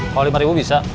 kalau lima ribu bisa